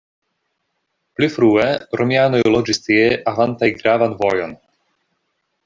Pli frue romianoj loĝis tie havantaj gravan vojon.